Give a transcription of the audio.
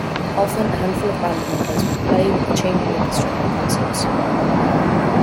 Often, a handful of band members will play with the chamber orchestra at concerts.